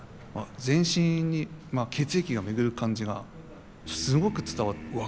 全身に血液が巡る感じがすごく伝わって。